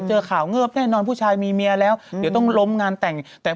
ชึ่งก็บอกว่าฉันไม่ได้ตกใจตื่นเต้นเลย